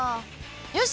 よし！